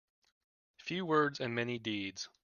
Few words and many deeds.